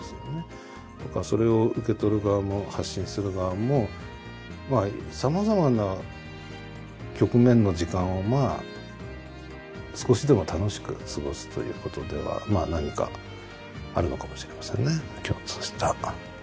それを受け取る側も発信する側もさまざまな局面の時間を少しでも楽しく過ごすということではまあ何かあるのかもしれませんね共通した。